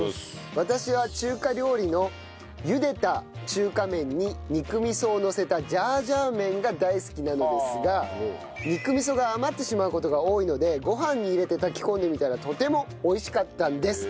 私は中華料理の茹でた中華麺に肉味噌をのせたジャージャー麺が大好きなのですが肉味噌が余ってしまう事が多いのでご飯に入れて炊き込んでみたらとても美味しかったんです。